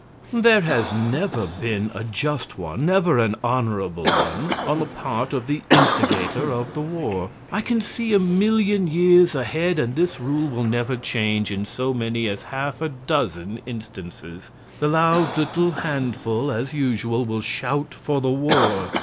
"There has never been a just one, never an honorable one on the part of the instigator of the war. I can see a million years ahead, and this rule will never change in so many as half a dozen instances. The loud little handful as usual will shout for the war.